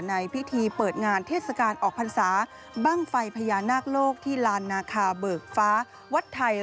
ในพิธีเปิดงานเทศกาลออกพรรษาบ้างไฟพญานาคโลกที่ลานนาคาเบิกฟ้าวัดไทย